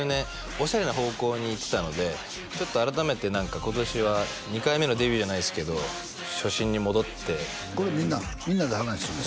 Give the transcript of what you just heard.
オシャレな方向にいってたのでちょっと改めて何か今年は２回目のデビューじゃないですけど初心に戻ってこれみんなで話するの？